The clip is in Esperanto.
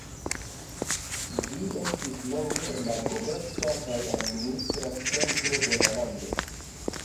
Ĝi estis longe la komerca kaj administra centro de la lando.